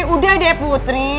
udah deh putri